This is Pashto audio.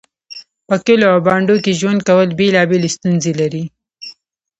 په کليو او بانډو کې ژوند کول بيلابيلې ستونزې لري